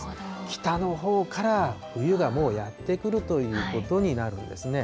北のほうから冬がもうやってくるということになるんですね。